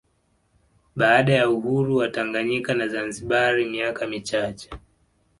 Baada ya uhuru wa Tanganyika na Zanzibar miaka michache